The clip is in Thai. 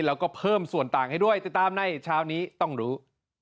แล้วก็เพิ่มส่วนต่างให้ด้วยติดตามในเช้านี้ต้องรู้